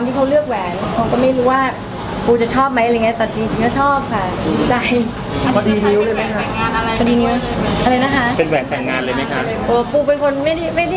เป็นแหวะแต่งงานเลยมั้ยคะ